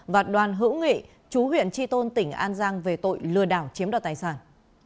và đoàn hữu nghị chú huyện tri tôn tỉnh an giang về tội lừa đảo chiếm đoạt tài sản